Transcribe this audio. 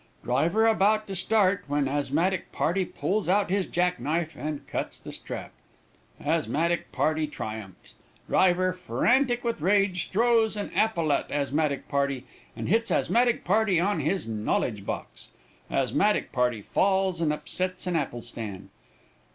Driver about to start, when asthmatic party pulls out his jack knife and cuts the strap. Asthmatic party triumphs. Driver, frantic with rage, throws an apple at asthmatic party, and hits asthmatic party on his knowledge box. Asthmatic party falls, and upsets an apple stand.